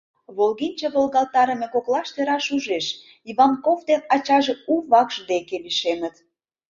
Волгенче волгалтарыме коклаште раш ужеш: Иванков ден ачаже у вакш деке лишемыт.